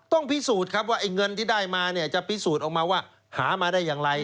พิสูจน์ครับว่าไอ้เงินที่ได้มาเนี่ยจะพิสูจน์ออกมาว่าหามาได้อย่างไร